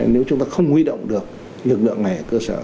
nếu chúng ta không huy động được lực lượng này ở cơ sở